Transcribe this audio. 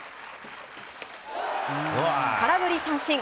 空振り三振。